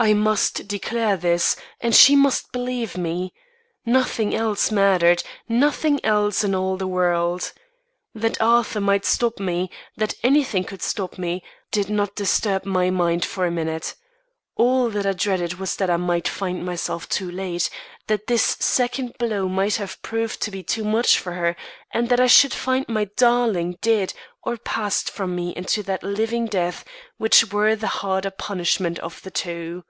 I must declare this, and she must believe me. Nothing else mattered nothing else in all the world. That Arthur might stop me, that anything could stop me, did not disturb my mind for a minute. All that I dreaded was that I might find myself too late; that this second blow might have proved to be too much for her, and that I should find my darling dead or passed from me into that living death which were the harder punishment of the two.